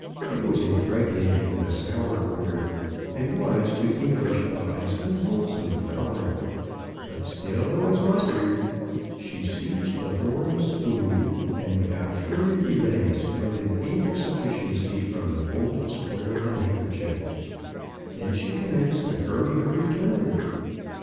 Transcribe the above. It was impreg nated with a sour odor, and was, to English eyes, unwholesome of color. But still it was mustard. She seized the horn spoon, and 1 8 CHRISTMAS AT THOMPSON HALL. without further delay spread an ample suffi ciency on the folded square of the handker chief. Then she commenced to hurry her return.